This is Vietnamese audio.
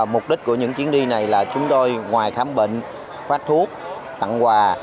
mục đích của những chuyến đi này là chúng tôi ngoài khám bệnh phát thuốc tặng quà